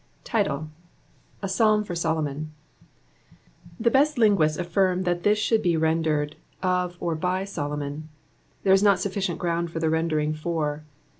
Title. — A Psalm for Solomon.— 77i« best linguists affirm Uiai this should be rendered, of or by Oolcmion. Tfiere is not sufficient ground for the rendering for.